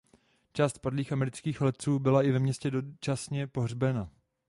Část padlých amerických letců byla i ve městě dočasně pohřbena.